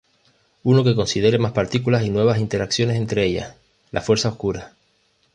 Uno que considere más partículas y nuevas interacciones entre ellas, la fuerza oscura.